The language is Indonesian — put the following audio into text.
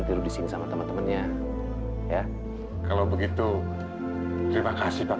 aku punya kok pertolongan allah